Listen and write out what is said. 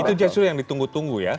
itu justru yang ditunggu tunggu ya